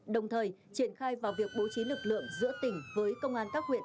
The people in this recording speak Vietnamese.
đồng thời triển khai vào việc bố trí lực lượng giữa tỉnh với công an các huyện